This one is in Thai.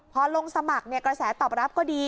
พอลงสมัครกระแสตอบรับก็ดี